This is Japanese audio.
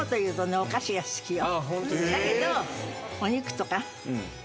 だけど。